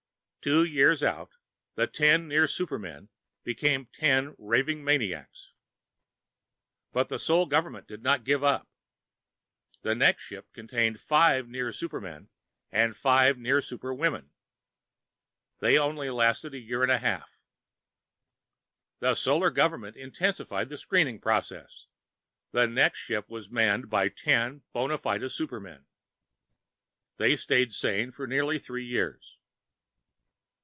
Two years out, the ten near supermen became ten raving maniacs. But the Solar Government did not give up. The next ship contained five near supermen, and five near superwomen. They only lasted for a year and a half. The Solar Government intensified the screening process. The next ship was manned by ten bona fide supermen. They stayed sane for nearly three years.